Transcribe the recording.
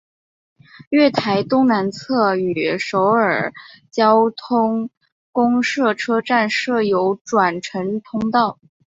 月台东南侧端与首尔交通公社车站设有转乘通道。